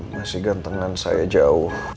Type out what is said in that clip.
masih gantengan saya jauh